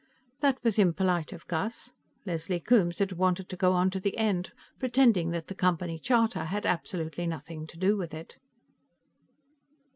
That was impolite of Gus. Leslie Coombes had wanted to go on to the end pretending that the Company charter had absolutely nothing to do with it.